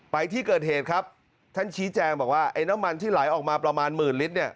ไปที่เกิดเหตุครับท่านชี้แจงบอกว่าไอ้น้ำมันที่ไหลออกมาประมาณหมื่นลิตรเนี่ย